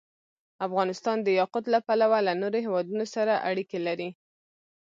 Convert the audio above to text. افغانستان د یاقوت له پلوه له نورو هېوادونو سره اړیکې لري.